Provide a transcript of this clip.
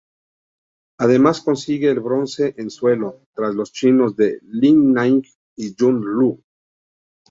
Además consigue el bronce en suelo, tras los chinos Li Ning y Yun Lou.